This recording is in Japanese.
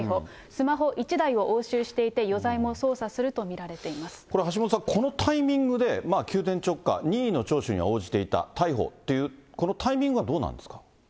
スマホ１台を押収していて、余罪も捜査するとこれ、橋下さん、このタイミングで急転直下、任意の聴取には応じていた、逮捕という、このタイミングはどうなんですか。